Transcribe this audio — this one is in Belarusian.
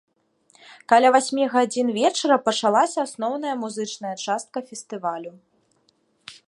Каля васьмі гадзін вечара пачалася асноўная музычная частка фестывалю.